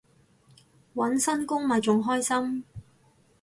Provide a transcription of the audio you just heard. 搵新工咪仲開心